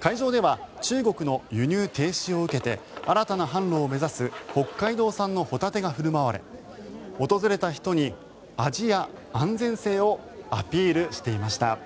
海上では中国の輸入停止を受けて新たな販路を目指す北海道産のホタテが振る舞われ訪れた人に味や安全性をアピールしていました。